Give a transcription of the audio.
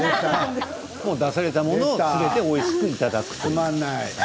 出されたものをおいしくいただく。